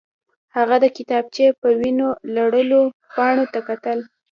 هغه د کتابچې په وینو لړلو پاڼو ته کتل